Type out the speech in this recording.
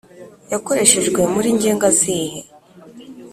Yakoreshejwe muri ngenga zihe?